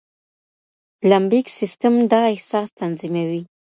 لمبیک سيستم دا احساس تنظيموي.